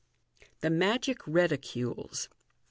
The Magic Reticules.